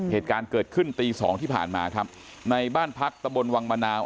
เหตุการณ์เกิดขึ้นตีสองที่ผ่านมาครับในบ้านพักตะบนวังมะนาว